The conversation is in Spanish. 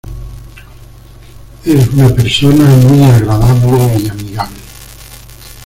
Es una persona muy agradable y amigable.